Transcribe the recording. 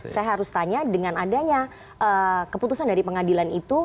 saya harus tanya dengan adanya keputusan dari pengadilan itu